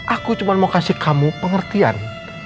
aku cuma mau kasih kamu pengertian